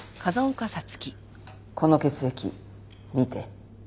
この血液見て。